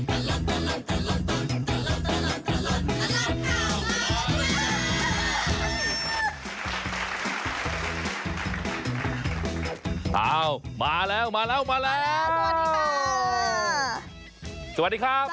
เอามาแล้วสวัสดีครับ